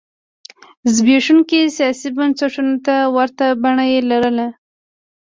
زبېښونکو سیاسي بنسټونو ته ورته بڼه یې لرله.